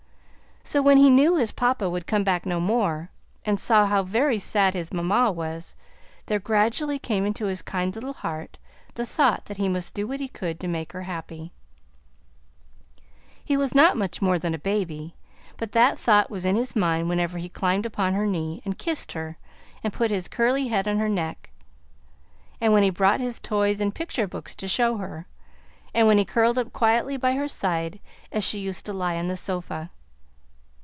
So when he knew his papa would come back no more, and saw how very sad his mamma was, there gradually came into his kind little heart the thought that he must do what he could to make her happy. He was not much more than a baby, but that thought was in his mind whenever he climbed upon her knee and kissed her and put his curly head on her neck, and when he brought his toys and picture books to show her, and when he curled up quietly by her side as she used to lie on the sofa.